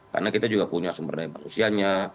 karena kita juga punya sumber daya manusianya